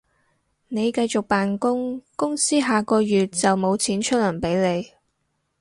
你繼續扮工，公司下個月就無錢出糧畀你